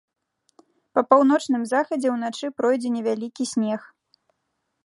Па паўночным захадзе ўначы пройдзе невялікі снег.